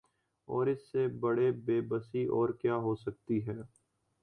اور اس سے بڑی بے بسی اور کیا ہو سکتی ہے